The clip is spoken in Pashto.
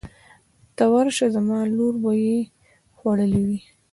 ته ورشه زما لور به یې خوړلې وي.